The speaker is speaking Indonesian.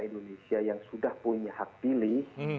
indonesia yang sudah punya hak pilih